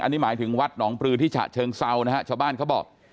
อันนี้หมายถึงวัดหนองปลือที่ฉะเชิงเซานะฮะชาวบ้านเขาบอก